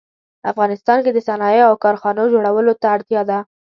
افغانستان کې د صنایعو او کارخانو جوړولو ته اړتیا ده